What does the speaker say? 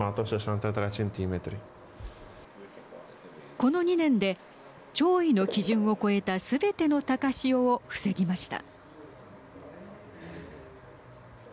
この２年で潮位の基準を超えたすべての高潮を防ぎました。